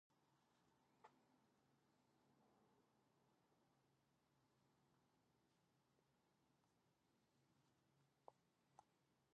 The Khan referred to President Thomas Jefferson as the Shah of America.